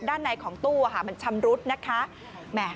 ด้านในของตู้มันชำรุดนะคะ